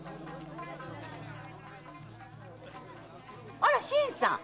あら新さん！